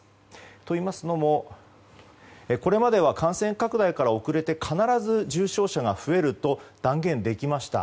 といいますのもこれまでは感染拡大から遅れて必ず重症者が増えると断言できました。